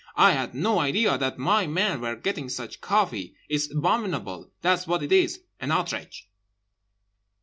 I had no idea that my men were getting such coffee. It's abominable! That's what it is, an outrage!